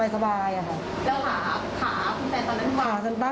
แล้วขาขาคุณแสนตอนนั้นว่า